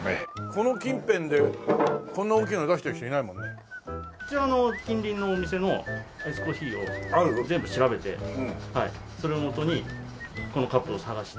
この近辺でこんな大きいの出してる人いないもんね。一応近隣のお店のアイスコーヒーを全部調べてそれを基にこのカップを探して。